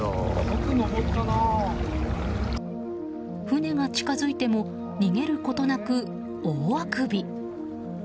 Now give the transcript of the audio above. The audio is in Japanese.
船が近づいても逃げることなく大あくび。